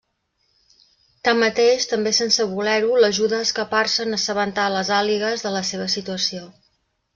Tanmateix, també sense voler-ho l'ajuda a escapar-se en assabentar les àguiles de la seva situació.